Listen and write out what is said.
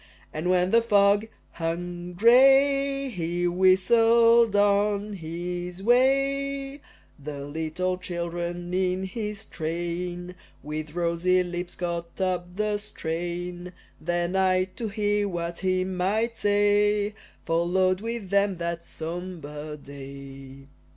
And when the fog hung grey, he whistled on his way The little children in his train With rosy lips caught up the strain. Then I, to hear what he might say, Followed with them, that sombre day.